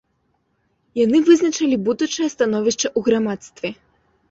Яны вызначалі будучае становішча ў грамадстве.